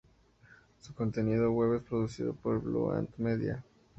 Su contenido web es producido por Blue Ant Media.